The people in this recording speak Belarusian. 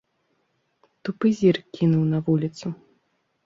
Тупы зірк кінуў на вуліцу.